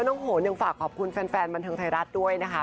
โหนยังฝากขอบคุณแฟนบันเทิงไทยรัฐด้วยนะคะ